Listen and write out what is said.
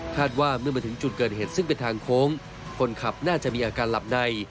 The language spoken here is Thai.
ว่าเมื่อมาถึงจุดเกิดเหตุซึ่งเป็นทางโค้งคนขับน่าจะมีอาการหลับใน